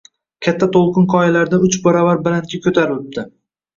Katta to‘lqin qoyalardan uch baravar balandga ko‘tarilibdi